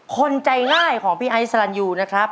คนใจง่ายของพี่ไอซ์สรรยูนะครับ